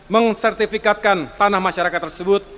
mensertifikatkan tanah masyarakat tersebut